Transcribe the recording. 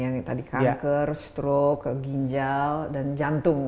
yang tadi kanker stroke ginjal dan jantung